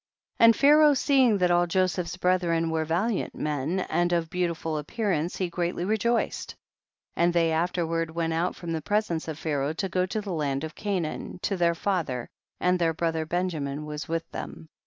78. And Pharaoh seeing that all Joseph's brethren were valiant men, and of beautiful appearance, he great ly rejoiced. 79. And they afterward went out from the presence of Pharaoh to go to the land of Canaan, to their father, and their brother Benjamin was with them.